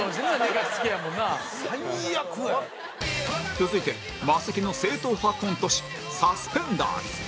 続いてマセキの正統派コント師サスペンダーズ